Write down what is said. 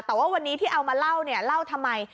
แต่ว่าวันนี้ที่เอามาเล่าเนี่ยเล่าทำไม